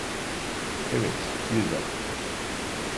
Evet, bir dakika.